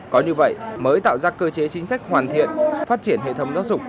có như vậy mới tạo ra cơ chế chính sách hoàn thiện phát triển hệ thống giáo dục